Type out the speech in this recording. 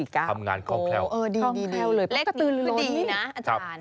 ทำงานคล่องแคล่วคล่องแคล่วเลยเลขกระตือลือดีนะอาจารย์